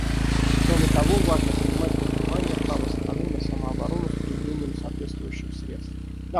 Кроме того, важно принимать во внимание право страны на самооборону с применением соответствующих средств.